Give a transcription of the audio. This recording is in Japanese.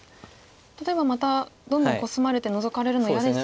例えばまたどんどんコスまれてノゾかれるの嫌ですよね。